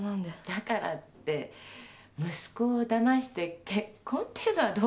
だからって息子をだまして結婚っていうのはどうかしら？